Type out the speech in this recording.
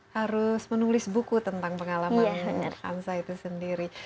harus menulis buku tentang pengalaman hansa itu sendiri